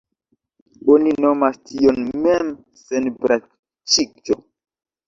Oni nomas tion „mem-senbranĉiĝo“.